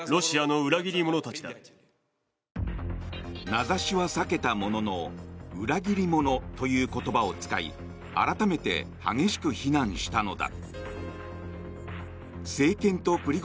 名指しは避けたものの裏切り者という言葉を使い改めて激しく非難したのだ。